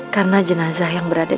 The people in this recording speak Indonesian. karena jenazah yang berada di depan